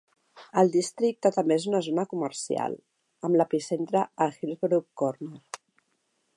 El districte també és una zona comercial, amb l'epicentre a Hillsborough Corner.